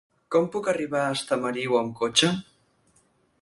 Com puc arribar a Estamariu amb cotxe?